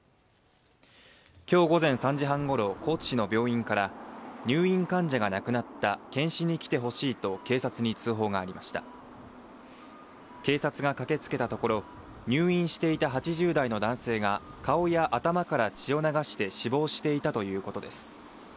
今日午前３時半ごろ高知市の病院から入院患者が亡くなった検死に来てほしいと警察に通報がありました警察が駆けつけたところ入院していた８０代の男性が顔や頭から血を流して死亡していたということです